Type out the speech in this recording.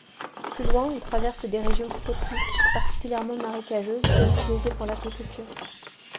Plus loin, elle traverse des régions steppiques partiellement marécageuses ou utilisées pour l'agriculture.